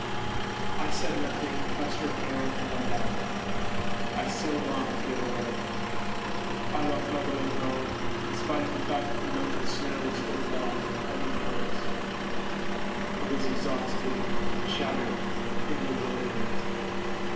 I said nothing, pressed her hand and went out. I so longed to get away. ... I walked all the way home, in spite of the fact that the melting snow was still falling in heavy flakes. I was exhausted, shattered, in bewilderment.